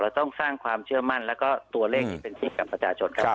ต้องสร้างความเชื่อมั่นแล้วก็ตัวเลขที่เป็นสิทธิ์กับประชาชนครับ